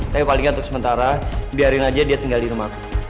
tapi palingan untuk sementara biarin aja dia tinggal di rumah